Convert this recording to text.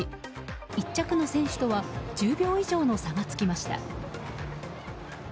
１着の選手とは１０秒以上の差がつきました。